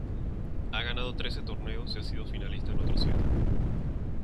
Ha ganado trece torneos y ha sido finalistas en otros siete.